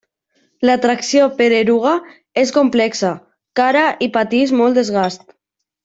La tracció per eruga és complexa, cara i pateix molt desgast.